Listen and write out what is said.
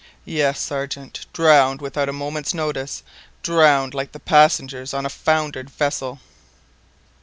"Yes, Sergeant, drowned without a moment's notice—drowned like passengers on a foundered vessel!"